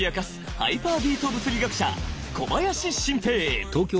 ハイパービート物理学者小林晋平！